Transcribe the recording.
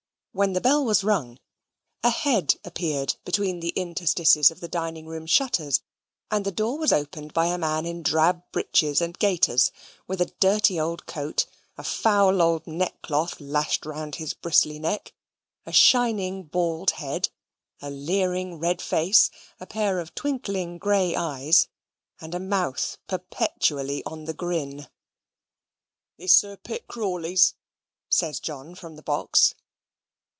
When the bell was rung, a head appeared between the interstices of the dining room shutters, and the door was opened by a man in drab breeches and gaiters, with a dirty old coat, a foul old neckcloth lashed round his bristly neck, a shining bald head, a leering red face, a pair of twinkling grey eyes, and a mouth perpetually on the grin. "This Sir Pitt Crawley's?" says John, from the box.